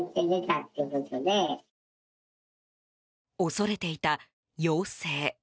恐れていた、陽性。